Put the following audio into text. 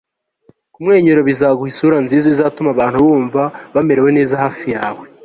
kumwenyura bizaguha isura nziza izatuma abantu bumva bamerewe neza hafi yawe